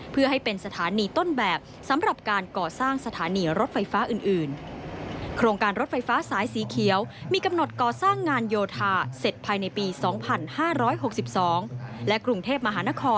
เพื่อให้เป็นสถานีต้นแบบสำหรับการก่อสร้างสถานีรถไฟฟ้าอื่น